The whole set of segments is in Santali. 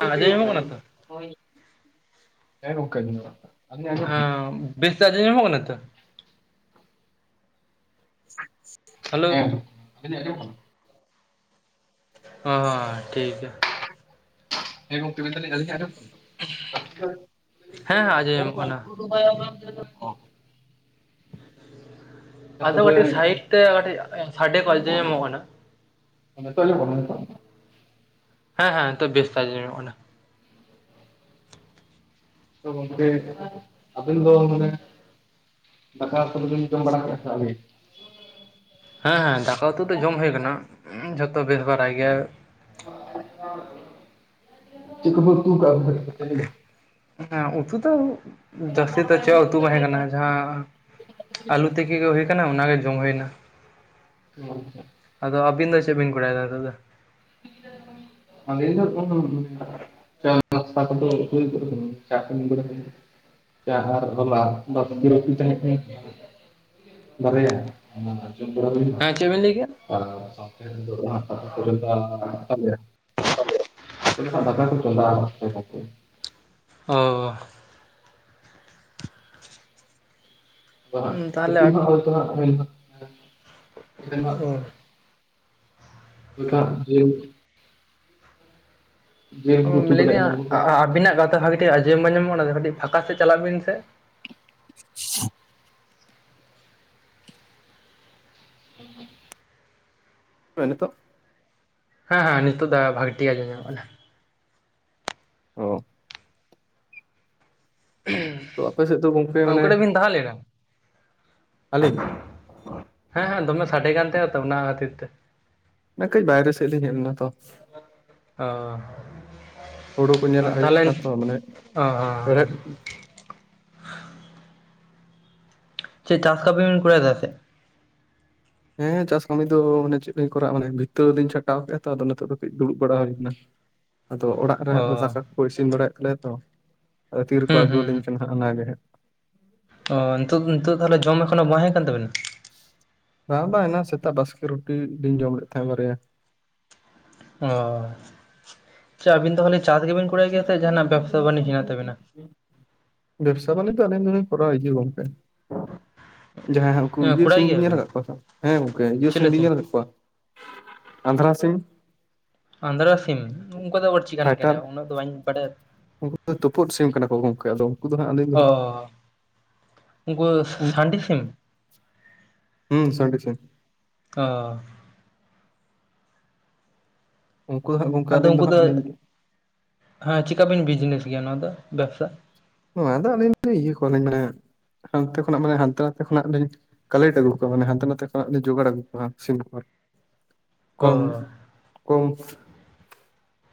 ᱟᱸᱡᱚᱢ ᱧᱟᱢᱚᱜ ᱠᱟᱱᱟ ᱛᱚ? ᱟᱺ ᱵᱮᱥ ᱛᱮ ᱟᱸᱡᱚᱢ ᱧᱟᱢᱚᱜ ᱠᱟᱱᱟ ᱛᱚ? ᱦᱮᱸ, ᱟᱸᱡᱚᱢᱚᱜ ᱦᱮᱞᱳ ᱠᱟᱱᱟ ᱟᱵᱤᱱᱤᱜ ᱟᱡᱚᱢᱚᱜ ᱠᱟᱱᱟ? ᱦᱚ ᱴᱷᱤᱠ ᱜᱮ᱾ ᱦᱮᱸ ᱜᱚᱝᱠᱮ ᱢᱮᱱ ᱫᱟᱹᱞᱤᱧ ᱟᱹᱞᱤᱧᱟᱜ ᱟᱸᱡᱚᱢ ᱦᱮᱸ ᱦᱮᱸ ᱟᱸᱡᱚᱢ ᱧᱟᱢᱚᱜ ᱠᱟᱱᱟ᱾ [inaudible] [unintelligible] ᱦᱮᱸ ᱟᱫᱚ ᱛᱚᱵᱮ ᱠᱟᱹᱴᱤᱡ ᱥᱟᱭᱤᱴ ᱛᱮ ᱠᱟᱹᱴᱤᱡ ᱥᱟᱰᱮ ᱠᱚ ᱟᱸᱡᱚᱢ ᱧᱟᱢᱚᱜ ᱠᱟᱱᱟ᱾ ᱱᱤᱛᱚᱜ ᱟᱡᱚᱢ ᱚᱜ ᱠᱟᱱᱟ ᱱᱤᱛᱚᱜ? ᱦᱮᱸ ᱦᱮᱸ ᱱᱤᱛᱚᱜ ᱵᱮᱥ ᱠᱟᱭ ᱛᱮ ᱟᱡᱚᱢᱚᱜ ᱠᱟᱱᱟ ᱛᱚ ᱜᱚᱝᱠᱮ ᱟᱵᱤᱱ ᱫᱚ ᱢᱟᱱᱮ ᱫᱟᱠᱟ ᱠᱚᱫᱚ ᱵᱤᱱ ᱡᱚᱢ ᱵᱟᱲᱟ ᱠᱮᱫᱟ ᱥᱮ ᱟᱹᱣᱨᱤ? ᱦᱮᱸ ᱦᱮᱸ ᱫᱟᱠᱟ ᱩᱛᱩ ᱫᱚ ᱡᱚᱢ ᱦᱩᱭ ᱠᱟᱱᱟ ᱡᱷᱚᱛᱚ ᱵᱮᱥ ᱵᱟᱲᱟᱭ ᱜᱮᱭᱟ ᱪᱮᱫ ᱠᱚᱯᱮ ᱩᱛᱩ ᱠᱟᱜ-ᱟ ᱛᱮᱦᱮᱧ ᱫᱚ? ᱦᱮᱸ ᱱᱟ ᱩᱛᱩ ᱫᱚ ᱡᱟᱹᱥᱤ ᱫᱚ ᱪᱮᱫ ᱩᱛᱩ ᱵᱟᱦᱮᱸ ᱠᱟᱱᱟ ᱡᱟᱦᱟᱸ ᱟᱹᱞᱩ ᱛᱤᱠᱤ ᱜᱮ ᱦᱩᱭ ᱠᱟᱱᱟ ᱚᱱᱟᱜᱮ ᱡᱚᱢ ᱦᱩᱭᱱᱟ [inaudible] ᱟᱫᱚ ᱟᱵᱤᱱ ᱫᱚ ᱪᱮ ᱵᱤᱱ ᱠᱚᱨᱟᱣ ᱮᱫᱟ ᱛᱚᱵᱮ? [unintelligible] ᱟᱞᱤᱧ ᱫᱚ ᱮᱠᱷᱚᱱ ᱫᱚ ᱪᱟ ᱱᱟᱥᱛᱟ ᱠᱚᱫᱚ ᱦᱩᱭ ᱜᱚᱫ ᱠᱟᱱᱟ ᱪᱟ ᱠᱚ ᱧᱩ ᱵᱟᱲᱟ ᱦᱩᱭ ᱪᱟ ᱟᱨ [unintelligible] ᱵᱟᱨᱭᱟ ᱚᱱᱟ ᱡᱚᱢ ᱵᱟᱲᱟ ᱦᱩᱭ ᱦᱮᱸ ᱪᱮᱫ ᱵᱮᱱ ᱞᱟᱹᱭ ᱠᱮᱜᱼᱟ? [unintelligible] ᱱᱤᱛᱚᱜ ᱫᱚ ᱦᱟᱜ ᱫᱟᱠᱟ ᱠᱚᱧ ᱪᱚᱱᱫᱟ ᱠᱟᱜ-ᱟ᱾ ᱚᱻ ᱛᱟᱦᱚᱞᱮ [unintelligible] ᱟᱫᱚ ᱦᱟᱜ ᱡᱮᱞ, ᱩᱸ ᱞᱟᱹᱭ ᱫᱤᱧ ᱟᱵᱤᱱᱟᱜ ᱠᱟᱛᱷᱟ ᱵᱷᱟᱜᱤ ᱴᱷᱤᱠ ᱟᱸᱡᱚᱢ ᱵᱟᱝ ᱟᱸᱡᱚᱢ ᱟᱜ ᱠᱟᱱᱟ ᱚᱱᱟ ᱛᱮ ᱠᱟᱹᱴᱤᱡ ᱯᱷᱟᱸᱠᱟ ᱥᱮᱫ ᱪᱟᱞᱟᱜ ᱵᱤᱱ ᱥᱮ᱾ [inaudible] ᱱᱚᱜᱼᱚᱭ ᱱᱤᱛᱚᱜ? ᱦᱮᱸ ᱦᱮᱸ ᱱᱤᱛᱳᱜ ᱫᱚ ᱵᱷᱟᱹᱜᱤ ᱴᱷᱤᱠ ᱟᱡᱚᱢ ᱧᱟᱢᱚᱜ ᱠᱟᱱᱟ᱾ ᱚᱻ ᱛᱚ ᱟᱯᱮᱥᱮᱫ ᱫᱚ ᱜᱚᱝᱠᱮ ᱢᱟᱱᱮ [unintelligible] ᱟᱞᱤᱧ, ᱦᱮᱸ ᱦᱮᱸ ᱫᱚᱢᱮ ᱥᱟᱰᱮ ᱠᱟᱱ ᱛᱟᱦᱮᱸᱜ ᱟᱛᱚ ᱚᱱᱟ ᱠᱷᱟᱹᱛᱤᱨ ᱛᱮ᱾ ᱚᱱᱮ ᱠᱟᱹᱡ ᱵᱟᱭᱨᱮ ᱥᱮᱫ ᱞᱤᱧ ᱦᱮᱡ ᱱᱟᱛᱚ᱾ ᱦᱩᱲᱩ ᱠᱚ ᱚᱻ ᱧᱮᱞᱟᱜ ᱦᱩᱭᱩᱜ ᱛᱟᱦᱞᱮ ᱠᱟᱱᱟ ᱛᱚ ᱢᱟᱱᱮ ᱚᱻ, ᱦᱮᱲᱦᱮᱫ ᱪᱮᱫ ᱪᱟᱥ ᱠᱟᱢᱤ ᱵᱤᱱ ᱠᱚᱨᱟᱣ ᱫᱟ ᱥᱮ ᱪᱮᱫ? ᱦᱮᱸ ᱪᱟᱥ ᱠᱟᱹᱢᱤ ᱫᱚ ᱢᱟᱱᱮ ᱪᱮᱫ ᱞᱤᱧ ᱠᱚᱨᱟᱣᱼᱟ ᱢᱟᱱᱮ ᱵᱷᱤᱛᱟ ᱞᱤᱧ ᱪᱷᱟᱴᱟᱣ ᱠᱮᱫᱼᱟ ᱛᱚ ᱟᱫᱚ ᱱᱤᱛᱚᱜ ᱫᱷᱟᱵᱤᱡ ᱫᱩᱲᱩᱵ ᱵᱟᱲᱟ ᱦᱩᱭ ᱠᱟᱱᱟ ᱾ ᱟᱫᱚ ᱚᱲᱟᱜ ᱨᱮ ᱚ ᱦᱟᱸᱜ ᱫᱟᱠᱟ ᱠᱚᱠᱚ ᱤᱥᱤᱱ ᱵᱟᱲᱟᱭᱮᱫ ᱛᱟᱞᱮᱭᱟ ᱛᱚ ᱟᱫᱚ ᱛᱤᱨ ᱨᱮᱠᱚ ᱦᱩᱸ ᱟᱹᱜᱩ ᱟᱹᱞᱤᱧ ᱦᱩᱸ ᱠᱟᱱᱟ ᱦᱟᱸᱜ ᱚᱱᱟᱜ ᱜᱮ ᱦᱟᱸᱜ ᱾ ᱚ ᱱᱤᱛ ᱱᱤᱛᱳᱜ ᱛᱟᱦᱚᱞᱮ ᱡᱚᱢ ᱮᱠᱷᱚᱱᱳ ᱵᱟᱝ ᱦᱩᱭ ᱠᱟᱱ ᱛᱟᱵᱮᱱᱟ ᱾ ᱵᱟᱝ ᱵᱟᱝ ᱮᱱᱟᱝ ᱥᱮᱛᱟᱜ ᱵᱟᱥᱠᱮ ᱨᱩᱴᱤ ᱞᱤᱧ ᱡᱚᱢ ᱞᱮᱫ ᱛᱟᱦᱮᱸᱫ ᱵᱟᱨᱭᱟ ᱾ ᱚᱻ ᱟᱪᱪᱷᱟ ᱟᱹᱵᱤᱱ ᱫᱚ ᱛᱟᱦᱳᱞᱮ ᱪᱟᱥ ᱜᱮᱵᱤᱱ ᱠᱚᱨᱟᱣ ᱜᱮᱭᱟ ᱥᱮ ᱡᱟᱦᱟᱱᱟᱜ ᱵᱮᱵᱽᱥᱟ ᱵᱟᱱᱤᱡᱽ ᱢᱮᱱᱟᱜ ᱛᱟᱵᱤᱱᱟ? ᱵᱮᱵᱽᱥᱟ ᱵᱟᱱᱤᱡᱽ ᱫᱚ ᱟᱹᱞᱤᱧ ᱫᱚ ᱠᱚᱨᱟᱣᱮᱫ ᱜᱚᱝᱠᱮ ᱾ ᱡᱟᱦᱟᱸᱭ ᱩᱱᱠᱩ ᱤᱭᱟᱹ ᱠᱚᱨᱟᱣ ᱥᱤᱢ ᱵᱤᱱ ᱧᱮᱞ ᱜᱮᱭᱟᱵᱤᱱ ᱠᱟᱫ ᱠᱚᱣᱟ ᱦᱮᱸ ᱜᱚᱝᱠᱮ ᱤᱭᱟᱹ ᱥᱤᱢ ᱵᱤᱱ ᱧᱮᱞ ᱠᱟᱫ ᱠᱚᱣᱟ, ᱟᱸᱫᱷᱨᱟ ᱥᱤᱧ? ᱟᱸᱫᱷᱨᱟ ᱥᱤᱢ ᱚᱱᱠᱟ ᱫᱚ ᱟᱵᱟᱨ ᱪᱤᱠᱟᱱ ᱠᱟᱱᱟ ᱯᱷᱟᱭᱴᱟᱨ ᱩᱱᱟᱹᱜ ᱫᱚ ᱵᱟᱹᱧ ᱵᱟᱰᱟᱭᱟ᱾ ᱩᱱᱠᱩ ᱫᱚ ᱛᱩᱯᱩᱫ ᱥᱤᱢ ᱠᱟᱱᱟ ᱠᱚ ᱜᱚᱢᱠᱮ ᱟᱫᱚ ᱩᱱᱠᱩ ᱫᱚ ᱦᱟᱸᱜ ᱟᱹᱞᱤᱧ ᱫᱚ ᱦᱟᱸᱜ ᱚ ᱩᱱᱠᱩ ᱫᱚ ᱥᱟᱱᱰᱤ ᱥᱤᱢ? ᱦᱩᱸ ᱥᱟᱱᱰᱤ ᱥᱤᱢ ᱾ ᱚᱻ ᱾ ᱩᱱᱠᱩ ᱫᱚ ᱦᱟᱜ ᱟᱫᱚ ᱩᱱᱠᱩ ᱫᱚ ᱪᱮᱠᱟᱵᱤᱱ ᱵᱤᱡᱽᱱᱮᱥ ᱜᱮᱭᱟ ᱱᱚᱣᱟ ᱫᱚ ᱵᱮᱵᱥᱟ? ᱟᱫᱚ ᱟᱹᱞᱤᱧ ᱤᱭᱟᱹ ᱠᱚᱣᱟᱞᱤᱧ ᱢᱟᱱᱮ ᱦᱟᱱᱛᱮ ᱠᱷᱚᱱᱟᱜ ᱢᱟᱱᱮ ᱦᱟᱱᱛᱮ ᱱᱟᱛᱮ ᱠᱷᱚᱱᱟᱜ ᱞᱤᱧᱼᱼᱼ ᱠᱟᱞᱮᱴ ᱟᱹᱜᱩ ᱠᱚᱣᱟ ᱢᱟᱱ ᱦᱟᱱᱛᱮ ᱱᱟᱛᱮ ᱠᱷᱚᱱ ᱡᱳᱜᱟᱲ ᱟᱜᱩᱠᱚᱣᱟ ᱥᱤᱢᱠᱚ ᱾ [inaudible] ᱠᱚᱢ ᱠᱚᱢ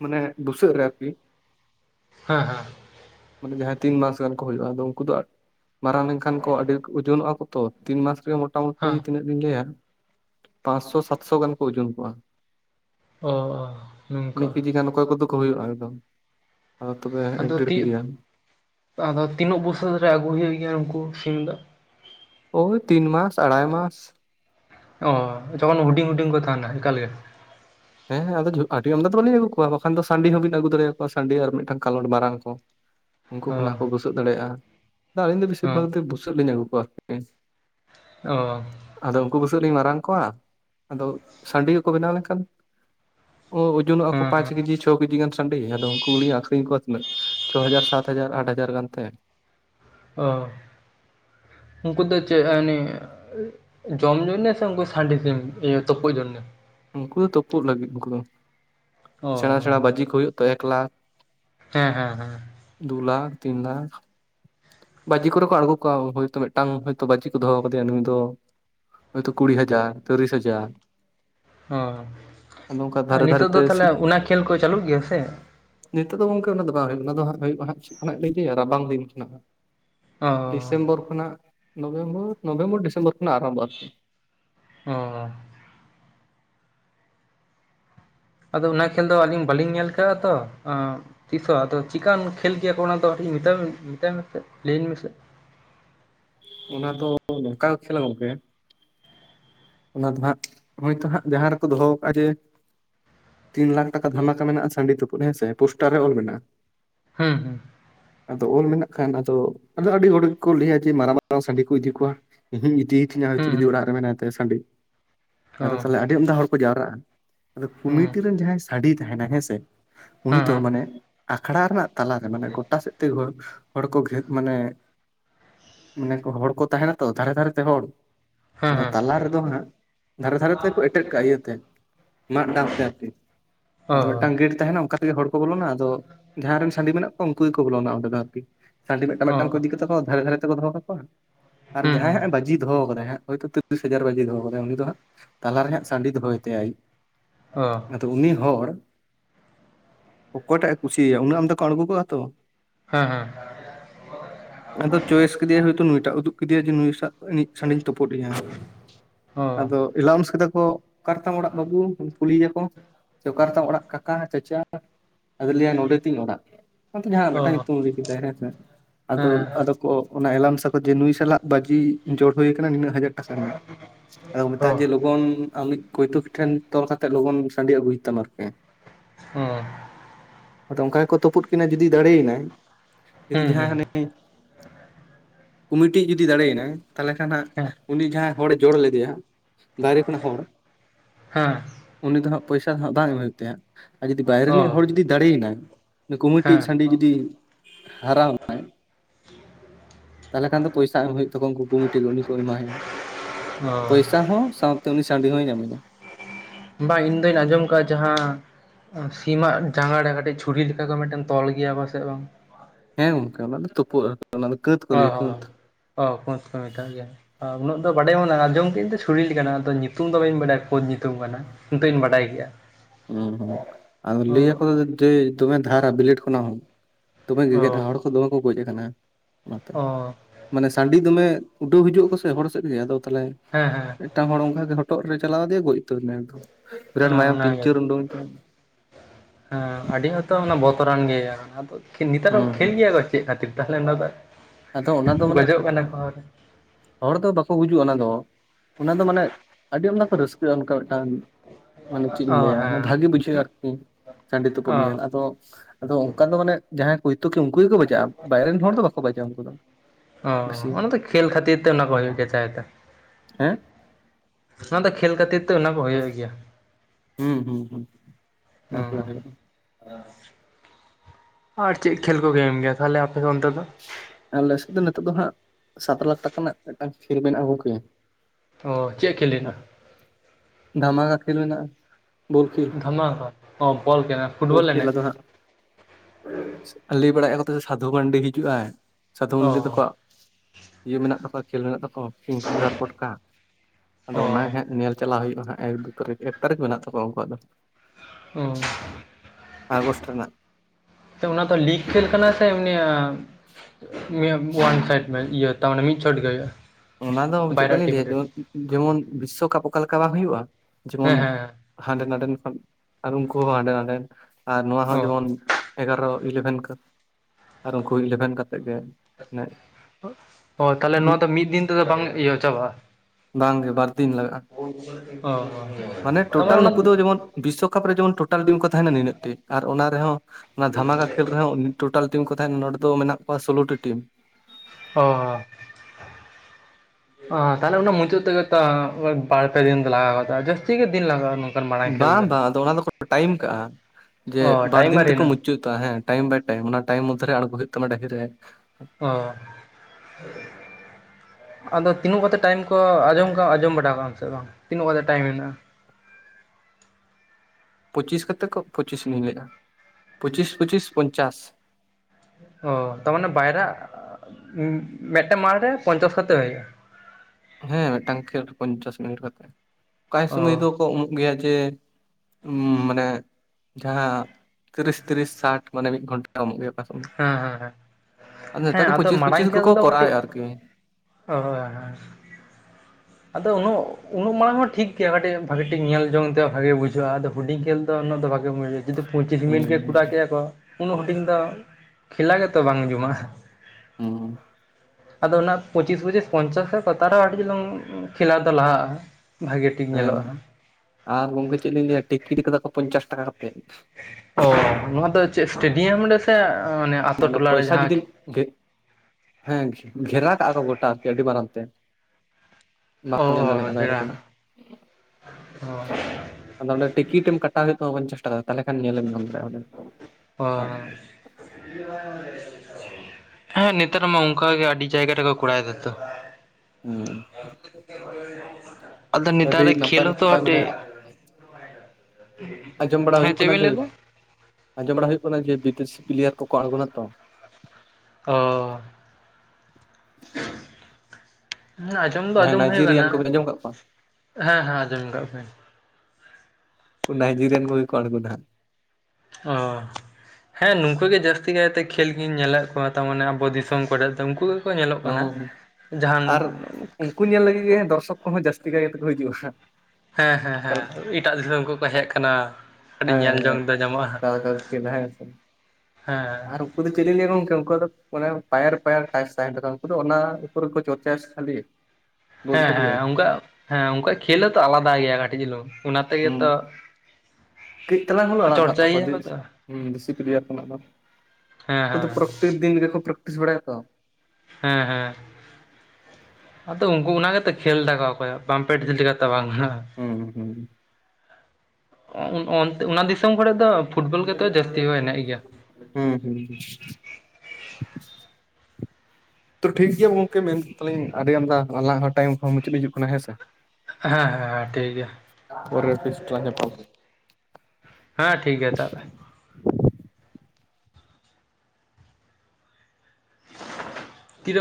ᱢᱟᱱᱮ ᱵᱩᱥᱟᱹᱜ ᱨᱮ ᱟᱨᱠᱤ ᱾ ᱦᱮᱸ ᱦᱮᱸ ᱾ [inaudible] ᱛᱤᱱ ᱢᱟᱥ ᱜᱟᱱ ᱠᱚ ᱦᱩᱭᱩᱜᱼᱟ ᱟᱫᱚ ᱩᱱᱠᱩ ᱫᱚ, ᱢᱟᱨᱟᱝ ᱞᱮᱱᱠᱷᱟᱱ ᱠᱚ ᱟᱹᱰᱤ ᱳᱡᱚᱱᱚᱜᱼᱟ ᱛᱚ ᱛᱤᱱ ᱢᱟᱥ ᱨᱮᱜᱮ᱾ ᱢᱚᱴᱟᱢᱩᱴᱤ ᱦᱮᱸ ᱛᱤᱱᱟᱹᱜ ᱞᱤᱧ ᱞᱮᱭᱟ, ᱯᱟᱸᱥᱚ ᱥᱟᱛᱥᱚ ᱜᱟᱱ ᱠᱚ ᱡᱩᱱ ᱠᱚᱜᱼᱟ᱾ ᱚ ᱚ ᱢᱤᱫ ᱱᱚᱝᱠᱟ ᱠᱮᱡᱤ ᱠᱷᱟᱱ ᱚᱠᱚᱭ ᱠᱚᱫᱚ ᱠᱚ ᱦᱩᱭᱩᱜᱼᱟ ᱮᱠᱫᱚᱢ᱾ ᱟᱫᱚ ᱛᱚᱵᱮ ᱮᱠ ᱟᱫᱚ ᱰᱮᱲ ᱛᱤ ᱠᱮᱡᱤ ᱜᱟᱱ᱾ ᱟᱫᱚ ᱛᱤᱱᱟᱹᱜ ᱵᱩᱥᱳᱚ ᱨᱮ ᱟᱹᱜᱩᱭ ᱦᱳᱭᱳᱜ ᱜᱮᱭᱟ ᱩᱱᱠᱩ ᱥᱤᱢ ᱫᱚ᱾ ᱳᱭ ᱛᱤᱱ ᱢᱟᱥ ᱟᱲᱟᱭ ᱢᱟᱥ᱾ ᱚ ᱡᱚᱠᱷᱚᱱ ᱦᱩᱰᱤᱧ ᱦᱩᱰᱤᱧ ᱠᱚ ᱛᱟᱦᱮᱱᱟ ᱮᱠᱟᱞᱜᱮ? ᱦᱮᱸ ᱟᱫᱚ ᱟᱹᱰᱤ ᱟᱢᱫᱟ ᱫᱚ ᱵᱟᱞᱤᱧ ᱟᱹᱜᱩ ᱠᱚᱣᱟ ᱵᱟᱠᱷᱟᱱ ᱫᱚ ᱥᱟᱺᱰᱤ ᱦᱚᱸᱵᱤᱱ ᱟᱹᱜᱩ ᱫᱟᱲᱮᱭᱟᱣᱟ ᱥᱟᱺᱰᱤ ᱟᱨ ᱢᱤᱫᱴᱟᱝ ᱠᱟᱞᱚᱴ ᱢᱟᱨᱟᱝ ᱠᱚ᱾ [unintelligible] ᱩᱱᱠᱩ ᱠᱷᱚᱱᱟᱜ ᱠᱚ ᱵᱩᱥᱟᱹᱜ ᱫᱟᱲᱮᱭᱟᱜᱼᱟ᱾ ᱟᱹᱞᱤᱧ ᱫᱚ ᱵᱮᱥᱤᱨ ᱵᱷᱟᱜᱽ ᱦᱮᱸ ᱛᱮ ᱵᱩᱥᱟᱹᱜ ᱞᱤᱧ ᱟᱹᱜᱩ ᱠᱚᱣᱟ ᱟᱨᱠᱤ᱾ ᱚ᱾ ᱟᱫᱚ ᱵᱩᱥᱟᱹᱜ ᱞᱤᱧ ᱢᱟᱨᱟᱝ ᱠᱚᱣᱟ᱾ ᱟᱫᱚ ᱥᱟᱺᱰᱤ ᱦᱚᱠᱚ ᱵᱮᱱᱟᱣ ᱞᱮᱱᱠᱷᱟᱱ, ᱳ ᱳᱡᱚᱱᱚᱜᱼᱟ ᱠᱚ ᱦᱮᱸ ᱯᱟᱸᱪ ᱦᱮᱸ ᱠᱮᱡᱤ ᱪᱷᱚᱼᱼ ᱪᱷᱚ ᱠᱮᱡᱤ ᱜᱟᱱ ᱥᱟᱺᱰᱤ ᱟᱫᱚ ᱩᱱᱠᱩ ᱜᱮᱞᱤᱧ ᱟᱠᱷᱨᱤᱧ ᱠᱚᱣᱟ ᱛᱤᱱᱟᱹᱜ, ᱪᱚ ᱦᱟᱡᱟᱨ ᱥᱟᱛ ᱦᱟᱡᱟᱨ ᱟᱴ ᱦᱟᱡᱟᱨ ᱜᱟᱱᱛᱮ᱾ ᱚ, ᱩᱱᱠᱩ ᱫᱚ ᱪᱮᱫ? ᱡᱚᱢ ᱧᱩ ᱥᱮ ᱩᱱᱠᱩ ᱥᱟᱺᱰᱤ ᱛᱚᱯᱳᱫ ᱡᱚᱨᱱᱚ [unintelligible] ᱩᱱᱠᱩ ᱫᱚ ᱛᱩᱯᱩᱜ ᱞᱟᱹᱜᱤᱫ ᱩᱱᱠᱩ ᱫᱚ, ᱚ ᱥᱮᱬᱟ ᱥᱮᱬᱟ ᱵᱟᱹᱡᱤ ᱠᱚ ᱦᱩᱭᱩᱜ ᱛᱚ ᱮᱠ ᱞᱟᱠᱷ, ᱦᱮᱸ ᱦᱮᱸ ᱦᱮᱸ᱾ ᱫᱩ ᱞᱟᱠᱷ ᱛᱤᱱ ᱞᱟᱠᱷ, ᱵᱟᱹᱡᱤ ᱠᱚᱨᱮ ᱠᱚ ᱟᱬᱜᱳ ᱠᱚᱣᱟ ᱦᱳᱭᱛᱳ ᱢᱮᱫᱴᱟᱝ ᱦᱳᱭᱛᱳ ᱵᱟᱹᱡᱤ ᱠᱚ ᱫᱚᱦᱚ ᱟᱠᱟᱫᱮᱭᱟ ᱱᱩᱭ ᱫᱚ᱾ ᱦᱳᱭᱛᱚ ᱠᱩᱲᱤ ᱦᱟᱡᱟᱨ ᱛᱤᱨᱤᱥ ᱦᱟᱡᱟᱨ᱾ ᱟᱫᱚ ᱚᱱᱠᱟ ᱚ ᱫᱷᱟᱨᱮ ᱫᱷᱟᱨᱮ ᱱᱤᱛᱳᱜ ᱫᱚ ᱛᱮ ᱛᱟᱦᱟᱞᱮ ᱚᱱᱟ ᱠᱷᱮᱞ ᱠᱚ ᱪᱟᱹᱞᱩᱜ ᱜᱮᱭᱟ ᱥᱮ? ᱱᱤᱛᱚᱜ ᱫᱚ ᱜᱚᱝᱠᱮ ᱩᱱᱟᱹᱜ ᱫᱚ ᱵᱟᱝ ᱦᱩᱭᱩᱜ ᱠᱟᱱᱟ ᱟᱫᱚ ᱦᱟᱜ ᱦᱩᱭᱩᱜᱟ ᱦᱟᱜ [unintelligible] ᱨᱟᱵᱟᱝ ᱚ᱾ ᱰᱤᱥᱮᱢᱵᱚᱨ ᱠᱷᱚᱱᱟᱜ, ᱱᱚᱵᱷᱮᱢᱵᱚᱨ ᱱᱚᱵᱷᱮᱢᱵᱚᱨ ᱰᱤᱥᱮᱢᱵᱚᱨ ᱠᱷᱚᱱᱟᱜ ᱟᱨᱟᱢᱵᱷᱚᱜᱼᱟ ᱟᱨᱠᱤ᱾ ᱦᱚᱭ᱾ ᱟᱫᱚ ᱚᱱᱟ ᱠᱷᱮᱞ ᱫᱚ ᱟᱹᱞᱤᱧ ᱵᱟᱞᱤᱧ ᱧᱮᱞ ᱟᱠᱟᱟᱜᱼᱟ ᱛᱚ ᱚ᱾ ᱛᱤᱥ ᱦᱚᱸ ᱟᱫᱚ ᱪᱤᱠᱟᱱ ᱠᱷᱮᱞ ᱜᱮᱭᱟ ᱠᱚ ᱚᱱᱟ ᱫᱚ ᱴᱤᱪ ᱢᱮᱛᱟᱭ ᱢᱮᱛᱟᱭ ᱢᱮᱥᱮ ᱞᱮᱭᱧ ᱢᱮᱥᱮ᱾ ᱚᱱᱟ ᱫᱚ ᱱᱚᱝᱠᱟ ᱠᱚ ᱠᱷᱮᱞᱟ ᱜᱚᱝᱠᱮ᱾ ᱚᱱᱟ ᱫᱚ ᱦᱟᱜ, ᱦᱚᱜᱚᱭᱛᱚ ᱦᱟᱸᱜ ᱡᱟᱦᱟᱸ ᱨᱮᱠᱚ ᱫᱚᱦᱚ ᱟᱠᱟᱜᱼᱟ ᱡᱮ ᱛᱤᱱ ᱞᱟᱠᱷ ᱴᱟᱠᱟ ᱫᱷᱟᱢᱟᱠᱟ ᱢᱮᱱᱟᱜᱼᱟ ᱥᱟᱺᱰᱤ ᱛᱩᱯᱩᱫ ᱦᱮᱸᱥᱮ ᱯᱳᱥᱴᱟᱨ ᱨᱮ ᱚᱞ ᱢᱮᱱᱟᱜᱼᱟ᱾ ᱦᱮ ᱦᱮ ᱟᱫᱚ ᱚᱞ ᱢᱮᱱᱟᱜ ᱠᱷᱟᱱ ᱟᱫᱚ, ᱟᱫᱚ ᱟᱹᱰᱤ ᱦᱚᱲ ᱜᱮᱠᱚ ᱞᱮᱭᱟᱡᱮ ᱢᱟᱨᱟᱝ ᱢᱟᱨ ᱥᱟᱺᱰᱤ ᱠᱚ ᱤᱫᱤ ᱠᱚᱣᱟ ᱤᱧᱦᱩᱧ ᱤᱫᱤᱭ ᱛᱤᱧᱟᱹ ᱦᱚᱭᱛᱚ ᱦᱩᱸ ᱡᱩᱫᱤ ᱦᱩᱸ ᱦᱩᱸ ᱚᱲᱟᱜ ᱨᱮ ᱢᱮᱱᱟᱭ ᱛᱟᱭᱟ ᱥᱟᱺᱰᱤ᱾ ᱟᱫᱚ ᱛᱟᱦᱟᱞᱮ ᱟᱹᱰᱤ ᱟᱢᱫᱟ ᱦᱚᱲ ᱠᱚ ᱡᱟᱣᱨᱟᱜᱼᱟ᱾ ᱟᱫᱚ ᱠᱚᱢᱤᱴᱤ ᱨᱮᱱ ᱡᱟᱦᱟᱸᱭ ᱥᱟᱺᱰᱤ ᱛᱟᱦᱮᱱᱟᱭ ᱦᱮᱸᱥᱮᱼᱼ ᱩᱱᱤ ᱫᱚ ᱢᱟᱱᱮ, ᱟᱠᱷᱲᱟ ᱨᱮᱱᱟᱜ ᱛᱟᱞᱟᱨᱮ ᱢᱟᱱᱮ ᱜᱚᱴᱟ ᱥᱮᱫ ᱛᱮ ᱦᱚᱲ ᱠᱚ ᱜᱷᱮᱨ ᱢᱟᱱᱮ ᱢᱟᱱᱮ ᱠᱚ ᱦᱚᱲ ᱠᱚ ᱛᱟᱦᱮᱱᱟ ᱛᱚ ᱫᱷᱟᱨᱮ ᱫᱷᱟᱨᱮᱛᱮ ᱦᱚᱲ, ᱟᱫᱚ ᱛᱟᱞᱟ ᱨᱮᱫᱚ ᱦᱟᱸᱜᱼᱼ ᱫᱷᱟᱨᱮ ᱫᱷᱟᱨᱮ ᱛᱮᱠᱚ ᱮᱴᱮᱫ ᱠᱟᱜᱼᱟ ᱤᱭᱟᱹᱛᱮ, ᱢᱟᱫ ᱰᱟᱢ ᱛᱮ ᱟᱨᱠᱤ᱾ ᱚ ᱟᱫᱚ ᱢᱮᱫᱴᱟᱝ ᱜᱮᱴ ᱛᱟᱦᱮᱱᱟ ᱚᱱᱠᱟ ᱛᱮᱜᱮ ᱦᱚᱲ ᱠᱚ ᱵᱚᱞᱚᱱᱟ ᱟᱫᱚᱼᱼ ᱡᱟᱦᱟᱸ ᱨᱮᱱ ᱥᱟᱺᱰᱤ ᱢᱮᱱᱟᱜ ᱠᱚᱣᱟ ᱩᱱᱠᱩ ᱜᱮᱠᱚ ᱵᱚᱞᱚᱱᱟ ᱚᱸᱰᱮ ᱫᱚ ᱟᱨᱠᱤ, ᱥᱟᱺᱰᱤ ᱢᱤᱫᱴᱟᱝ ᱢᱤᱫᱴᱟᱝ ᱠᱚ ᱤᱫᱤ ᱠᱚ ᱛᱟᱠᱚᱣᱟ ᱫᱷᱟᱨᱮ ᱫᱷᱟᱨᱮ ᱠᱚ ᱫᱚᱦᱚ ᱠᱚᱣᱟ᱾ ᱦᱩᱸ ᱟᱨ ᱦᱮᱸ ᱡᱟᱦᱟᱸᱭ ᱦᱮᱸ ᱦᱟᱸᱜ ᱵᱟᱡᱤᱭ ᱫᱚᱦᱚᱣ ᱠᱟᱫᱟ ᱦᱟᱜ ᱦᱚᱭᱛᱳ ᱛᱤᱨᱤᱥ ᱦᱟᱡᱟᱨ ᱵᱟᱡᱤᱭ ᱫᱚᱦᱚ ᱠᱟᱫᱟᱭ ᱩᱱᱤ ᱫᱚ ᱦᱟᱸᱜ, ᱛᱟᱞᱟᱨᱮᱦᱟᱸᱜ ᱥᱟᱺᱰᱤ ᱫᱚᱦᱚᱭ ᱛᱟᱭᱟᱭ᱾ ᱟᱫᱚ ᱩᱱᱤ ᱦᱚᱲᱼᱼᱼ ᱚᱠᱚᱭᱴᱟᱜ-ᱮ ᱠᱩᱥᱤᱭᱟᱭᱟ ᱩᱱᱟᱹᱜ ᱟᱢᱫᱟ ᱠᱚ ᱟᱬᱜᱳ ᱠᱚᱜᱼᱟ ᱛᱚ᱾ ᱦᱮᱸ ᱦᱮᱸ᱾ ᱟᱫᱚ ᱪᱚᱭᱮᱥ ᱠᱮᱫᱮᱟᱭ ᱦᱚᱭᱛᱳ ᱱᱩᱭᱴᱟᱜ ᱩᱫᱩᱜ ᱠᱮᱫᱮᱟᱭᱟ ᱡᱮ ᱱᱩᱭᱥᱟᱜ ᱤᱡ ᱥᱟᱺᱰᱤᱧ ᱛᱩᱯᱩᱫᱮᱭᱟ᱾ ᱚ ᱚ ᱦᱩᱸ ᱦᱩᱸ ᱚ ᱦᱮᱸ ᱦᱮᱸ ᱚ ᱟᱫᱚ ᱮᱞᱟᱣᱩᱱᱥ ᱠᱮᱫᱟ ᱠᱚ ᱚᱠᱟ ᱨᱮᱛᱟᱢ ᱚᱲᱟᱜ ᱵᱟᱹᱵᱩ ᱠᱩᱞᱤᱭ ᱭᱟᱠᱚ ᱚᱠᱟᱨᱮᱛᱟᱢ ᱚᱲᱟᱜ ᱠᱟᱠᱟ ᱪᱟᱪᱟ ᱟᱫᱚ ᱞᱟᱹᱭᱟᱭ ᱱᱚᱰᱮ ᱛᱤᱧ ᱚᱲᱟᱜ᱾ ᱡᱟᱦᱟᱸᱱᱟᱜ ᱢᱤᱫᱴᱟᱝ ᱚ ᱧᱩᱛᱩᱢ ᱞᱟᱹᱭ ᱠᱮᱫᱟᱭ ᱦᱮᱸ ᱥᱮ ᱟᱫᱚ ᱦᱮᱸ ᱟᱫᱚ ᱠᱚ ᱚᱱᱟ ᱮᱞᱟᱣᱩᱱᱥ ᱟᱠᱚ ᱡᱮ ᱱᱩᱭ ᱥᱟᱞᱟᱜ ᱵᱟᱡᱤ ᱡᱚᱲ ᱦᱩᱭᱩ ᱠᱟᱱᱟ ᱱᱤᱱᱟᱹᱜ ᱦᱟᱡᱟᱨ ᱴᱟᱠᱟ ᱨᱮᱱᱟᱜ᱾ ᱟᱫᱚ ᱚ ᱢᱮᱛᱟᱭ ᱠᱚ ᱡᱮ ᱞᱚᱜᱚᱱ ᱟᱢᱤᱡ ᱠᱳᱭᱛᱚᱠᱤ ᱴᱷᱮᱱ ᱛᱚᱞ ᱠᱟᱛᱮᱫ ᱞᱚᱜᱚᱱ ᱥᱟᱺᱰᱤ ᱟᱹᱜᱩᱭᱮᱛᱟᱢ ᱟᱨᱠᱤ᱾ ᱦᱚᱸ᱾ ᱟᱫᱚ ᱚᱱᱠᱟ ᱜᱮᱠᱚ ᱛᱩᱯᱩᱫ ᱠᱤᱱᱟ ᱡᱩᱫᱤ ᱫᱟᱲᱮᱭᱮᱱᱟᱭ ᱡᱩᱫᱤ ᱦᱩᱸ ᱡᱟᱦᱟᱸᱭ ᱦᱩᱸ ᱦᱟᱱᱤ ᱠᱚᱢᱤᱴᱤ ᱡᱩᱫᱤ ᱫᱟᱲᱮᱭᱮᱱᱟᱭ ᱛᱟᱦᱞᱮ ᱠᱷᱟᱱ ᱦᱟᱸᱜ ᱦᱮᱸ ᱩᱱᱤ ᱡᱟᱦᱟᱸᱭ ᱦᱚᱲᱮ ᱡᱚᱲ ᱞᱮᱫᱮᱭᱟ᱾ ᱫᱟᱨᱮ ᱠᱚᱱᱟ ᱦᱚᱲ᱾ ᱦᱮᱸ ᱩᱱᱤ ᱫᱚ ᱦᱟᱸᱜ ᱯᱚᱭᱥᱟ ᱫᱚ ᱦᱟᱸᱜ ᱵᱟᱝ ᱮᱢ ᱦᱩᱭᱩᱜ ᱛᱟᱭᱟ ᱟᱨ ᱡᱩᱫᱤ ᱵᱟᱭᱨᱮ ᱚ ᱨᱮᱱᱤᱡ ᱦᱚᱲ ᱡᱩᱫᱤ ᱫᱟᱲᱮᱭᱮᱱᱟᱭ ᱠᱚᱢᱤᱴᱤ ᱦᱮᱸ ᱥᱟᱺᱰᱤ ᱡᱩᱫᱤ ᱦᱟᱨᱟᱣ ᱱᱟ ᱛᱟᱦᱚᱞᱮ ᱠᱷᱟᱱ ᱫᱚ ᱯᱚᱭᱥᱟ ᱮᱢ ᱦᱩᱭᱩᱜ ᱛᱟᱠᱚᱣᱟ ᱩᱱᱠᱩ ᱠᱚᱢᱤᱴᱤ ᱜᱮ ᱩᱱᱤ ᱠᱚ ᱮᱢᱟᱭᱟ᱾ ᱚ ᱯᱚᱭᱥᱟ ᱦᱚᱸ ᱥᱟᱶᱛᱮ ᱩᱱᱤ ᱥᱟᱺᱰᱤ ᱦᱚᱸᱭ ᱧᱟᱢᱮᱭᱟ᱾ ᱵᱟᱝ ᱤᱧᱫᱩᱧ ᱟᱸᱡᱚᱢ ᱟᱠᱟᱜ-ᱟ ᱡᱟᱦᱟᱸ ᱥᱤᱢᱟᱜ ᱡᱟᱝᱜᱟ ᱨᱮ ᱠᱟᱹᱴᱤᱡ ᱪᱷᱩᱨᱤ ᱞᱮᱠᱟ ᱠᱚ ᱢᱤᱫᱴᱮᱱ ᱛᱚᱞ ᱜᱮᱭᱟ ᱵᱟᱝ ᱦᱮᱸ ᱜᱚᱝᱠᱮ ᱚᱱᱟ ᱫᱚ ᱛᱩᱯᱩᱜᱼᱟ᱾ ᱚᱱᱟ ᱫᱚ ᱠᱟᱹᱛ ᱠᱚ ᱦᱳᱭ ᱞᱟᱹᱭᱟ ᱦᱳᱭ ᱠᱟᱹᱛ ᱠᱟᱹᱛ ᱠᱚ ᱢᱮᱛᱟᱜ ᱜᱮᱭᱟ᱾ ᱩᱱᱟᱹᱜ ᱫᱚ ᱵᱟᱰᱟᱭ ᱵᱟᱱᱩᱜ ᱟᱸᱡᱚᱢ ᱠᱮᱫᱟᱹᱧ ᱫᱚ ᱪᱷᱩᱨᱤ ᱞᱮᱠᱟ ᱱᱟᱜ ᱟᱫᱚ ᱧᱩᱛᱩᱢ ᱫᱚ ᱵᱟᱹᱧ ᱵᱟᱰᱟᱭᱟ ᱠᱟᱹᱛ ᱧᱩᱛᱩᱢ ᱠᱟᱱᱟ᱾ ᱱᱤᱛᱚᱜ ᱤᱧ ᱵᱟᱰᱟᱭ ᱠᱮᱭᱟ᱾ ᱦᱩᱸ ᱟᱫᱚ ᱞᱟᱹᱭ ᱟᱠᱚ ᱡᱮ ᱫᱚᱢᱮ ᱫᱷᱟᱨᱟ ᱵᱤᱞᱮᱰ ᱠᱷᱚᱱᱟᱜ ᱦᱚᱸ᱾ ᱫᱚᱢᱮ ᱚ ᱜᱮᱜᱮᱫ-ᱟ ᱦᱚᱲ ᱠᱚ ᱫᱚᱢᱮ ᱠᱚ ᱜᱚᱡ ᱟᱠᱟᱱᱟ ᱚᱱᱟᱛᱮ᱾ ᱚ ᱢᱟᱱᱮ ᱥᱟᱺᱰᱤ ᱫᱚᱢᱮ ᱩᱰᱟᱹᱣ ᱦᱤᱡᱩᱜᱼᱟ ᱟᱠᱚ ᱥᱮ ᱦᱚᱲ ᱥᱮᱫ ᱜᱮ ᱟᱫᱚ ᱛᱟᱦᱞᱮ ᱦᱮᱸ ᱦᱮᱸ ᱢᱤᱫᱴᱟᱝ ᱦᱚᱲ ᱚᱱᱠᱟᱜᱮ ᱦᱚᱴᱚᱜ ᱨᱮ ᱪᱟᱞᱟᱣ ᱟᱫᱮᱭᱟ ᱜᱚᱡ ᱩᱛᱟᱹᱨ ᱱᱟᱭ ᱵᱤᱨᱟᱴ ᱦᱮᱸ ᱢᱟᱭᱟᱢ ᱚᱱᱟ ᱯᱤᱧᱪᱤᱹᱨ ᱜᱮᱛᱚ ᱩᱰᱩᱝ ᱮᱱ ᱛᱟᱭᱟ᱾ ᱟᱹᱰᱤ ᱦᱚᱸᱛᱚ ᱚᱱᱟ ᱵᱚᱛᱚᱨᱟᱱ ᱜᱮᱭᱟ ᱟᱫᱚ ᱱᱮᱛᱟᱨ ᱫᱚ ᱠᱷᱮᱞ ᱦᱩᱸ ᱜᱮᱭᱟ ᱠᱚ ᱪᱮᱫ ᱠᱷᱟᱹᱛᱤᱨ ᱛᱟᱦᱞᱮ ᱚᱱᱟ ᱫᱚ ᱟᱫᱚ ᱚᱱᱟ ᱫᱚ ᱢᱟᱱᱮ ᱜᱚᱡᱚᱜ ᱠᱟᱱᱟ ᱠᱚ ᱦᱚᱲ᱾ ᱦᱚᱲ ᱫᱚ ᱵᱟᱠᱚ ᱜᱩᱡᱩᱜᱼᱟ ᱚᱱᱟ ᱫᱚ᱾ ᱚᱱᱟ ᱫᱚ ᱢᱟᱱᱮ ᱟᱹᱰᱤ ᱟᱢᱫᱟ ᱠᱚ ᱨᱟᱹᱥᱠᱟᱹᱜᱼᱟ ᱚᱱᱠᱟ ᱢᱤᱫᱴᱟᱝ ᱢᱟᱱᱮ ᱪᱮᱫ ᱚ ᱤᱧ ᱞᱟᱹᱭᱟ ᱵᱷᱟᱹᱜᱤ ᱵᱩᱡᱷᱟᱹᱜᱼᱟ ᱦᱮᱸ ᱟᱨᱠᱤ ᱥᱟᱺᱰᱤ ᱛᱩᱯᱩᱫ ᱚ ᱧᱮᱞ ᱟᱫᱚ ᱟᱫᱚ ᱚᱱᱠᱟ ᱫᱚ ᱢᱟᱱᱮ ᱡᱟᱦᱟᱸᱭ ᱠᱚᱭᱛᱩᱠᱤ ᱩᱱᱠᱩ ᱜᱮᱠᱚ ᱵᱟᱡᱟᱜᱼᱟ ᱵᱟᱭᱨᱮ ᱨᱮᱱ ᱦᱚᱲ ᱫᱚ ᱵᱟᱠᱚ ᱵᱟᱡᱟᱜ-ᱟ ᱩᱱᱠᱩ ᱫᱚ᱾ ᱚ ᱵᱮᱥᱤ ᱚᱱᱟ ᱫᱚ ᱠᱷᱮᱞ ᱠᱷᱟᱹᱛᱤᱨ ᱛᱮ ᱚᱱᱟ ᱠᱚ ᱦᱩᱭᱩᱜ ᱜᱮᱭᱟ ᱪᱟᱭᱛᱟ᱾ ᱦᱮᱸ᱾ ᱚᱱᱟ ᱫᱚ ᱠᱷᱮᱞ ᱠᱷᱟᱹᱛᱤᱨ ᱛᱮ ᱚᱱᱟ ᱠᱚ ᱦᱩᱭᱩᱜ ᱜᱮᱭᱟ᱾ ᱦᱩᱸ ᱦᱩᱸ ᱦᱩᱸ ᱚ ᱵᱟᱯᱮ ᱦᱩᱭᱩᱜ-ᱟ ᱾ [inaudible] ᱟᱨ ᱪᱮᱫ ᱠᱷᱮᱞ ᱠᱚ ᱜᱮ ᱮᱢ ᱜᱮᱭᱟ ᱛᱟᱦᱞᱮ ᱟᱯᱮ ᱫᱚ ᱚᱱᱛᱮ ᱫᱚ? ᱟᱞᱮ ᱥᱮᱫ ᱫᱚ ᱱᱤᱛᱚᱜ ᱫᱚ ᱦᱟᱸᱜ ᱥᱟᱛ ᱞᱟᱠᱷ ᱴᱟᱠᱟ ᱨᱮᱱᱟᱜ ᱢᱤᱫᱴᱟᱝ ᱠᱷᱮᱞ ᱢᱮᱱᱟᱜ-ᱟ ᱜᱚᱝᱠᱮ᱾ ᱚ ᱪᱮᱫ ᱠᱷᱮᱞ ᱦᱮᱱᱟᱜ-ᱟ? ᱫᱷᱟᱢᱟᱠᱟ ᱠᱷᱮᱞ ᱢᱮᱱᱟᱜᱼᱟ᱾ ᱵᱚᱞ ᱠᱷᱮᱞ ᱫᱷᱟᱢᱟᱠᱟ ᱚ ᱵᱚᱞ ᱠᱷᱮᱞ ᱵᱚᱞ ᱯᱷᱩᱴᱵᱚᱞ ᱠᱷᱮᱞ ᱮᱱᱮᱡ᱾ ᱟᱫᱚ ᱦᱟᱸᱜ ᱞᱟᱹᱭ ᱵᱟᱲᱟᱭᱮᱫ-ᱟ ᱠᱚᱛᱚ ᱥᱟᱫᱷᱩ ᱢᱟᱱᱰᱤ ᱦᱤᱡᱩᱜ-ᱟᱭ᱾ ᱥᱟᱫᱷᱩ ᱚ ᱢᱟᱱᱰᱤ ᱛᱟᱠᱚᱣᱟᱜ ᱤᱭᱟᱹ ᱢᱮᱱᱟᱜ ᱛᱟᱠᱚᱣᱟ ᱠᱷᱮᱞ ᱢᱮᱱᱟᱜ ᱛᱟᱠᱚᱣᱟ᱾ ᱠᱤᱝᱯᱷᱤᱥᱟᱨ ᱯᱚᱴᱠᱟ ᱟᱫᱚ ᱚ ᱚᱱᱟᱜᱮ ᱦᱟᱸᱜ ᱧᱮᱞ ᱪᱟᱞᱟᱜ ᱦᱩᱭᱩᱜᱼᱟ ᱦᱟᱸᱜ᱾ ᱮᱠ ᱫᱩ ᱛᱟᱹᱨᱤᱠᱷ ᱮᱠ ᱛᱟᱹᱨᱤᱠᱷ ᱢᱮᱱᱟᱜ ᱛᱟᱠᱚᱣᱟ ᱩᱱᱠᱩᱣᱟᱜ ᱫᱚ᱾ [unintelligible] ᱟᱜᱚᱥᱴ ᱨᱮᱱᱟᱜ ᱥᱮ ᱚᱱᱟ ᱫᱚ ᱞᱤᱜᱽ ᱠᱷᱮᱞ ᱠᱟᱱᱟ ᱥᱮ ᱮᱢᱱᱤ ᱟᱻ [unintelligible] ᱚᱣᱟᱱ ᱥᱟᱭᱤᱰ ᱢᱮᱪ ᱤᱭᱟᱹ ᱛᱟ-ᱢᱟᱱᱮ ᱢᱤᱫ ᱪᱷᱚᱴ ᱜᱮ ᱦᱳᱭᱳᱜ-ᱟ ᱾ ᱚᱱᱟ ᱫᱚ ᱪᱮᱫᱠᱟ ᱞᱤᱧ ᱞᱟᱹᱭᱼᱟ ᱡᱮᱢ ᱡᱮᱢᱚᱱ ᱵᱤᱥᱥᱚᱠᱟᱯ ᱚᱠᱟ ᱞᱮᱠᱟ ᱵᱟᱝ ᱦᱩᱭᱩᱜᱼᱟ᱾ ᱡᱮᱢᱚᱱ ᱦᱮᱸ ᱦᱮᱸ ᱦᱟᱸᱰᱮ ᱱᱟᱱᱰᱮᱱ ᱠᱷᱚᱱ ᱟᱨ ᱩᱱᱠᱩ ᱦᱚᱸ ᱦᱟᱸᱰᱮ ᱱᱟᱰᱮ ᱟᱨ ᱱᱚᱣᱟ ᱦᱚᱸ ᱚ ᱡᱮᱢᱚᱱ ᱮᱜᱟᱨᱚ ᱤᱞᱮᱵᱷᱮᱱ ᱠᱟᱛ ᱟᱨ ᱩᱱᱠᱩ ᱤᱞᱮᱵᱷᱮᱱ ᱠᱟᱛᱮᱜ ᱜᱮ᱾ ᱢᱟᱱᱮ ᱚ ᱛᱟᱦᱞᱮ ᱱᱚᱣᱟ ᱫᱚ ᱢᱤᱫ ᱫᱤᱱ ᱛᱮᱫᱚ ᱵᱟᱝ ᱤᱭᱟᱹ ᱪᱟᱵᱟᱜᱼᱟ? ᱵᱟᱝ ᱜᱮ ᱵᱟᱨ ᱫᱤᱱ ᱞᱟᱜᱟᱜᱼᱟ᱾ ᱚ ᱛᱮᱢᱚᱱ ᱚᱱᱟ ᱵᱤᱥᱥᱚᱠᱟᱯ ᱨᱮ ᱡᱮᱢᱚᱱ ᱴᱳᱴᱟᱞ ᱴᱤᱢ ᱠᱚ ᱛᱟᱦᱮᱱᱟ ᱱᱤᱱᱟᱹᱜ ᱴᱤ, ᱟᱨ ᱚᱱᱟ ᱨᱮᱦᱚᱸ ᱚᱱᱟ ᱫᱷᱟᱢᱟᱠᱟ ᱠᱷᱮᱞ ᱨᱮᱦᱚᱸ ᱴᱳᱴᱟᱞ ᱴᱤᱢ ᱠᱚ ᱛᱟᱦᱮᱱ ᱱᱚᱰᱮ ᱫᱚ ᱢᱮᱱᱟᱜ ᱠᱚᱣᱟ ᱥᱳᱞᱳ ᱴᱤ ᱴᱤᱢ᱾ ᱚ ᱚ ᱛᱟᱦᱞᱮ ᱩᱱᱟᱹ ᱢᱩᱪᱟᱹᱫ ᱛᱮᱜᱮ ᱛᱚ ᱵᱟᱨ ᱯᱮ ᱫᱤᱱ ᱫᱚ ᱞᱟᱜᱟᱣ ᱜᱚᱫᱚᱜ-ᱟ ᱡᱟᱹᱥᱛᱤ ᱜᱮ ᱫᱤᱱ ᱞᱟᱜᱟᱜᱼᱟ [inaudible] ᱵᱟᱝ ᱫᱚ ᱵᱟᱝ ᱟᱫᱚ ᱚᱱᱟ ᱫᱚᱠᱚ ᱴᱟᱭᱤᱢ ᱠᱟᱜᱼᱟ ᱡᱮ ᱚ ᱴᱟᱭᱤᱢ ᱵᱟᱨᱫᱤᱱ ᱟᱹᱣᱨᱤ ᱛᱮᱠᱚ ᱦᱮᱱᱟᱜᱼᱟ ᱢᱩᱪᱟᱹᱫ ᱛᱚ ᱦᱮᱸ ᱴᱟᱭᱤᱢ ᱵᱟᱭ ᱴᱟᱭᱤᱢ ᱚᱱᱟ ᱴᱟᱭᱤᱢ ᱢᱚᱫᱷᱮᱨᱮ ᱟᱬᱜᱳ ᱦᱩᱭᱩᱜ ᱛᱟᱢᱟ ᱰᱟᱹᱦᱤ ᱨᱮ᱾ ᱚ ᱟᱫᱚ ᱛᱤᱱᱟᱹᱜ ᱠᱟᱛᱮ ᱴᱟᱭᱤᱢ ᱠᱚ ᱟᱸᱡᱚᱢ ᱠᱟᱜ ᱟᱸᱡᱚᱢ ᱵᱟᱲᱟ ᱠᱟᱜ ᱟᱢ ᱥᱮ ᱵᱟᱝ, ᱛᱤᱱᱟᱹᱜ ᱠᱟᱛᱮ ᱴᱟᱭᱤᱢ ᱢᱮᱱᱟᱜᱼᱟ? ᱯᱚᱸᱪᱤᱥ ᱠᱟᱛᱮ ᱠᱚ ᱯᱚᱸᱪᱤᱥ [unintelligible] ᱼᱟ ᱯᱚᱸᱪᱤᱥ ᱯᱚᱸᱪᱤᱥ ᱯᱚᱧᱪᱟᱥ᱾ ᱚ ᱛᱟᱢᱟᱱᱮ ᱵᱟᱭᱨᱟᱜ ᱢᱮᱫᱴᱮᱝ ᱢᱟᱴ ᱨᱮ ᱯᱚᱧᱪᱟᱥ ᱠᱟᱛᱮ ᱦᱩᱭᱩᱜᱼᱟ᱾ ᱦᱮᱸ ᱢᱮᱫᱴᱟᱝ ᱠᱷᱮᱞ ᱯᱚᱧᱪᱟᱥ ᱢᱤᱱᱤᱴ ᱠᱟᱛᱮᱫ, ᱚᱠᱟᱭ ᱚ ᱥᱚᱢᱚᱭ ᱫᱚᱠᱚ ᱮᱢᱚᱜ ᱜᱮᱭᱟ ᱡᱮ ᱩᱢᱻ ᱢᱟᱱᱮ ᱡᱟᱦᱟᱸ ᱛᱤᱨᱤᱥ ᱛᱤᱨᱤᱥ ᱥᱟᱴ ᱢᱟᱱᱮ ᱢᱤᱫ ᱜᱷᱚᱱᱴᱟ᱾ ᱮᱢᱚᱜ ᱜᱮᱭᱟ ᱚᱠᱟ ᱥᱚᱢᱚᱭ ᱦᱮᱸ ᱦᱮᱸ ᱦᱮᱸ ᱟᱫᱚ ᱱᱮᱛᱟᱨ ᱦᱮᱸ ᱫᱚ ᱯᱚᱸᱪᱤᱥ ᱢᱟᱨᱟᱝ ᱯᱚᱸᱪᱤᱥ ᱠᱚᱠᱚ ᱠᱷᱮᱞ ᱫᱚ ᱠᱟᱹᱴᱤᱡ ᱠᱚᱨᱟᱣᱮᱫᱼᱟ ᱟᱨᱠᱤ᱾ ᱚ [unintelligible] ᱟᱫᱚ ᱩᱱᱩᱜ ᱩᱱᱟᱹᱜ ᱢᱟᱲᱟᱝ ᱦᱚᱸ ᱴᱷᱤᱠ [unintelligible] ᱠᱟᱹᱴᱤᱡ ᱵᱷᱟᱜᱮ ᱴᱷᱤᱠ ᱧᱮᱞ ᱡᱚᱝᱛᱮ ᱦᱚᱸ ᱵᱷᱟᱜᱮ ᱵᱩᱡᱷᱟᱹᱜᱼᱟ, ᱟᱫᱚ ᱦᱩᱰᱤᱧ ᱠᱷᱮᱞ ᱫᱚ ᱩᱱᱟᱹᱜ ᱫᱚ ᱵᱷᱟᱜᱮ [unintelligible] ᱡᱩᱫᱤ ᱯᱚᱸᱪᱤᱥ ᱢᱤᱱᱤᱴ ᱦᱩᱸ ᱜᱮ ᱠᱩᱨᱟᱣ ᱠᱮᱭᱟ ᱠᱚ ᱩᱱᱟᱹᱜ ᱦᱩᱰᱤᱧ ᱫᱚ ᱠᱷᱮᱞᱟ ᱜᱮ ᱛᱚ ᱵᱟᱝ ᱡᱚᱢᱟᱜᱼᱟ ᱾ ᱦᱮᱸ ᱟᱫᱚ ᱚᱱᱟ ᱯᱚᱸᱪᱤᱥ ᱯᱚᱸᱪᱤᱥ ᱯᱚᱧᱪᱟᱥ ᱠᱚ ᱛᱟ ᱨᱮᱦᱚ ᱟᱹᱰᱤ ᱡᱩᱞᱩᱝ ᱠᱷᱮᱞᱟᱣ ᱫᱚ ᱞᱟᱦᱟᱜᱼᱟ᱾ ᱵᱷᱟᱜᱮ ᱴᱷᱤᱠ ᱦᱮᱸ ᱧᱮᱞᱚᱜᱼᱟ ᱦᱟᱸ᱾ ᱟᱨ ᱜᱚᱝᱠᱮ ᱪᱮᱫ ᱞᱤᱧ ᱞᱟᱹᱭᱟ ᱴᱤᱠᱤᱴ ᱠᱟᱫᱟ ᱠᱚ ᱯᱚᱧᱪᱟᱥ ᱴᱟᱠᱟ ᱠᱟᱛᱮᱫ᱾ ᱚᱻ ᱱᱚᱣᱟ ᱫᱚ ᱪᱮᱫ ᱥᱴᱮᱰᱤᱭᱟᱢ ᱨᱮ ᱥᱮ ᱚᱱᱮ ᱚᱸᱰᱮ ᱯᱚᱭᱥᱟ ᱡᱩᱫᱤᱢ ᱜᱦᱮ [inaudible] ᱦᱮᱸ ᱜᱷᱮᱨᱟᱣ ᱠᱟᱜᱼᱟ ᱠᱚ ᱜᱚᱴᱟ ᱟᱨᱠᱤ ᱟᱹᱰᱤ ᱢᱟᱨᱟᱝ ᱛᱮ᱾ ᱵᱟᱢ ᱧᱮᱞ ᱚ ᱫᱟᱲᱮᱜᱼᱟ ᱵᱟᱭᱨᱮ ᱡᱮᱨᱟ ᱠᱷᱚᱱᱟᱜ᱾ ᱟᱫᱚ ᱚᱱᱰᱮ ᱴᱤᱠᱤᱴ ᱮᱢ ᱠᱟᱴ [unintelligible] ᱯᱚᱧᱪᱟᱥ ᱴᱟᱠᱟ ᱛᱟᱦᱞᱮ ᱠᱷᱟᱱ ᱧᱮᱞᱮᱢ ᱧᱟᱢ ᱫᱟᱲᱮᱭᱟᱜ-ᱟ ᱚ ᱚᱱᱰᱮ᱾ [unintelligible] ᱦᱮᱸ ᱱᱮᱛᱟᱨ ᱢᱟ ᱚᱱᱠᱟᱜᱮ ᱟᱹᱰᱤ ᱡᱟᱭᱜᱟ ᱨᱮᱠᱚ ᱠᱚᱨᱟᱭ ᱫᱟ ᱛᱚ᱾ ᱟᱫᱚ ᱟᱹᱰᱤ ᱱᱮᱛᱟᱦᱮ [unintelligible] ᱠᱷᱮᱞ ᱱᱟᱯᱟᱭ ᱦᱚᱸ ᱛᱚ ᱱᱟᱯᱟᱭ ᱦᱟᱴ [unintelligible] ᱢᱟᱱᱮ ᱟᱸᱡᱚᱢ ᱵᱟᱲᱟ ᱦᱮᱸ ᱦᱩᱭᱩᱜ ᱪᱮᱫ ᱠᱟᱱᱟ ᱵᱤᱱ ᱡᱮ, ᱞᱟᱹᱭ ᱫᱟ ᱟᱸᱡᱚᱢ ᱵᱟᱲᱟ ᱦᱩᱭᱩᱜ ᱠᱟᱱᱟ ᱡᱮ ᱵᱤᱫᱮᱥᱤ ᱯᱞᱤᱭᱟᱨ ᱠᱚᱠᱚ ᱟᱬᱜᱚᱱᱟ ᱛᱚ᱾ ᱚᱻ, ᱦᱮᱸ ᱟᱸᱡ ᱡᱚᱢ ᱫᱚ ᱡᱟᱦᱟᱸᱭ ᱟᱸᱡᱚᱢ ᱦᱩᱭ ᱱᱟᱭᱡᱮᱨᱤᱭᱟᱱ ᱟᱠᱟᱱᱟ, ᱠᱚᱵᱮᱱ ᱟᱸᱡᱚᱢ ᱟᱠᱟᱫ ᱠᱚᱣᱟ ᱦᱮᱸ ᱦᱮᱸ ᱟᱸᱡᱚᱢ-ᱟ ᱠᱟᱜ ᱵᱤᱱ᱾ ᱱᱟᱭᱡᱮᱨᱤᱭᱟᱱ ᱠᱚ ᱜᱮ ᱠᱚ ᱟᱲᱜᱳᱱᱟ ᱦᱟᱸᱜ᱾ ᱚ ᱦᱮᱸ ᱱᱩᱠᱩ ᱜᱮ ᱡᱟᱹᱥᱛᱤ ᱠᱟᱭᱛᱮ ᱠᱷᱮᱞ ᱜᱤᱧ ᱧᱮᱞᱮᱫ ᱠᱚᱣᱟ ᱛᱟᱢᱚᱱᱮ ᱟᱵᱚ ᱫᱤᱥᱚᱢ ᱠᱚᱨᱮ ᱫᱚ ᱩᱱᱠᱩ ᱜᱮᱠᱚ ᱧᱮᱞᱚᱜ ᱚ ᱠᱟᱱᱟ᱾ ᱡᱟᱦᱟᱱ ᱟᱨ ᱩᱱᱠᱩ ᱧᱮᱞ ᱞᱟᱹᱜᱤᱫ ᱜᱮ ᱫᱚᱨᱥᱚᱠ ᱠᱚ ᱦᱚᱸ ᱡᱟᱹᱥᱛᱤ ᱠᱟᱭᱛᱮᱠᱚ ᱦᱤᱡᱩᱜᱼᱟ᱾ ᱦᱮᱸ ᱦᱮᱸ ᱦᱮᱸ ᱮᱴᱟᱜ ᱫᱤᱥᱚᱢ ᱠᱚᱠᱚ ᱦᱮᱜ ᱠᱟᱱᱟ᱾ ᱟᱹᱰᱤ ᱧᱮᱞ ᱡᱚᱝ ᱦᱮᱸ ᱦᱮᱸ ᱫᱚ ᱧᱟᱢᱚᱜᱼᱟ ᱦᱟᱸᱜ, ᱚᱠᱟ ᱞᱮᱠᱟ ᱠᱚ ᱠᱷᱮᱞᱟ ᱦᱮᱸ ᱥᱮ᱾ ᱦᱮᱸ ᱟᱨ ᱩᱱᱠᱩ ᱫᱚ ᱪᱮᱫ ᱞᱤᱧ ᱞᱮᱭᱟ ᱜᱚᱝᱠᱮ ᱩᱱᱠᱩᱣᱟᱜ ᱫᱚ ᱢᱟᱱᱮ ᱯᱟᱭᱟᱨ ᱯᱟᱭᱟᱨ ᱴᱟᱪ ᱛᱟᱦᱮᱱ ᱛᱟᱠᱳᱣᱟ, ᱩᱱᱠᱩ ᱫᱚ ᱚᱱᱟ ᱩᱯᱚᱨᱮ ᱠᱚ ᱪᱚᱨᱪᱟᱭᱟ ᱥᱮ ᱠᱷᱟᱹᱞᱤ᱾ ᱵᱚᱞ ᱦᱮᱸ ᱠᱷᱮᱞ ᱦᱮᱸ ᱜᱮ ᱩᱱᱠᱩᱣᱟᱜ, ᱦᱮᱸ ᱩᱱᱠᱩᱣᱟᱜ ᱠᱷᱮᱞ ᱦᱚᱸᱛᱚ ᱟᱞᱟᱫᱟ ᱜᱮᱭᱟ ᱠᱟᱹᱴᱤᱡ ᱪᱩᱞᱩᱝ ᱚᱱᱟ ᱛᱮᱜᱮ ᱦᱩᱸ ᱛᱚ ᱠᱟᱹᱡ ᱛᱟᱞᱟᱝ ᱦᱚᱸ ᱞᱟᱲᱟᱜ [unintelligible] ᱪᱚᱨᱪᱟᱭ ᱛᱟᱠᱚᱣᱟ ᱜᱮᱭᱟ ᱠᱚ ᱛᱚ ᱫᱮᱥᱤ ᱯᱤᱞᱤᱭᱟᱨ ᱠᱷᱚᱱᱟᱜ ᱫᱚ᱾ ᱦᱮᱸ ᱩᱱᱠᱩ ᱫᱚ ᱦᱮᱸ ᱯᱨᱚᱛᱮᱠ ᱫᱤᱱ ᱜᱮᱠᱚ ᱯᱨᱮᱠᱴᱤᱥ ᱵᱷᱲᱟᱭᱟᱛᱚ᱾ ᱦᱮᱸ ᱦᱮᱸ ᱟᱫᱚ ᱩᱱᱠᱩ ᱚᱱᱟᱜᱮᱛᱚ ᱠᱷᱮᱞᱫᱟ ᱠᱚ ᱟᱠᱚᱣᱟᱜ ᱵᱟᱢ ᱯᱮᱴᱤᱥ ᱞᱮᱠᱟᱱ ᱛᱚ ᱵᱟᱝ [unintelligible] ᱦᱩᱸ ᱦᱩᱸ ᱚᱸ ᱚᱱᱛᱮ ᱚᱱᱟ ᱫᱤᱥᱚᱢ ᱠᱚᱨᱮ ᱫᱚ ᱯᱷᱩᱴᱵᱚᱞ ᱜᱮᱛᱮ ᱡᱟᱹᱥᱛᱤ ᱦᱚᱸ ᱮᱱᱮᱜ ᱜᱮᱭᱟ᱾ ᱦᱮᱸ ᱦᱮᱸ ᱛᱚ ᱴᱷᱤᱠ ᱜᱮᱭᱟ ᱜᱚᱝᱠᱮ ᱢᱮᱱ ᱛᱟᱞᱤᱧ ᱟᱰᱤ ᱟᱢᱫᱟ ᱟᱞᱟᱝᱟᱜ ᱦᱚᱸ ᱴᱟᱭᱤᱢ ᱠᱚᱦᱚᱸ ᱢᱩᱪᱟᱹᱫ ᱦᱤᱡᱩᱜ ᱠᱟᱱᱟ ᱦᱮᱸ ᱥᱮ᱾ ᱦᱮᱸ ᱦᱮᱸ ᱦᱮᱸ ᱴᱷᱤᱠ ᱜᱮᱭᱟ᱾ ᱯᱚᱨᱮ ᱟᱨ ᱛᱤᱥ ᱪᱚᱞᱟᱝ ᱧᱟᱯᱟᱢᱟ᱾ ᱦᱮᱸ ᱴᱷᱤᱠ ᱜᱮᱭᱟ ᱛᱟᱦᱚᱞᱮ ᱛᱤᱨᱮ